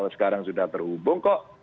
sekarang sudah terhubung kok